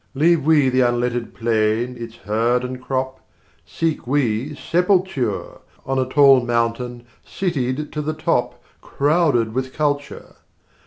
Leave we the unlettered plain its herd and crop; Seek we sepulture On a tall mountain, citied to the top, Crowded with culture!